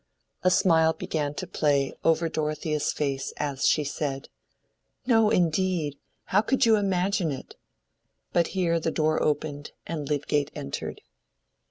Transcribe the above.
A smile began to play over Dorothea's face as she said— "No, indeed! How could you imagine it?" But here the door opened, and Lydgate entered.